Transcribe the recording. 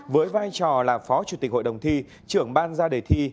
với vai trò là phó chủ tịch hội đồng thi trưởng ban ra đề thi